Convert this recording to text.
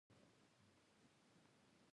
هغه د کتاب لیکلو پر مهال مرسته وکړه.